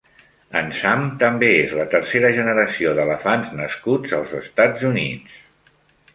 En Sam també és la tercera generació d'elefants nascuts als Estats Units.